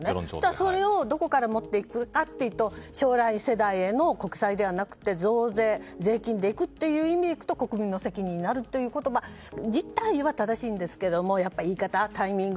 それをどこから持ってくるかというと将来世代の国債ではなく増税、税金でいくという意味で行くと国民の責任になるという言葉自体は正しいんですが言い方、タイミング